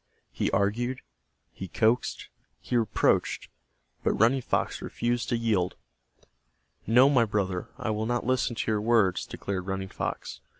He argued, he coaxed, he reproached, but Running Fox refused to yield. "No, my brother, I will not listen to your words," declared Running Fox.